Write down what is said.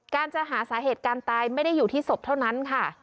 จะหาสาเหตุการตายไม่ได้อยู่ที่ศพเท่านั้นค่ะ